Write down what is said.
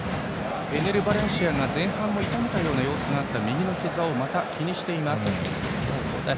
エネル・バレンシアが前半も痛めたような様子があった右ひざをまた気にしています。